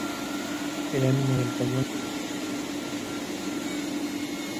El ánima del cañón tenía seis estrías a dextrógiro.